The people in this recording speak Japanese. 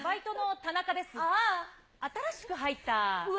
あー、新しく入った。